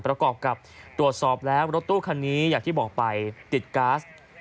ประกอบกับตรวจสอบแล้วรถตู้คันนี้อย่างที่บอกไปติดก๊าซ